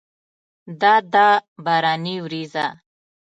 دا ده باراني ورېځه!